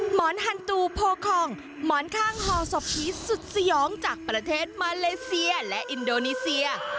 หมอนฮันตูโพคองหมอนข้างฮอศพผีสุดสยองจากประเทศมาเลเซียและอินโดนีเซีย